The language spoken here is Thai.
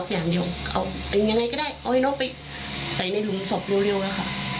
อย่างเดียวเอาเป็นยังไงก็ได้เอาให้น้องไปใส่ในหลุมศพเร็วอะค่ะ